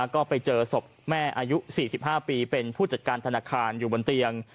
ก็ไปเจอศพแม่อายุ๔๕ปีเป็นผู้จัดการธนาคารอยู่บนเตียง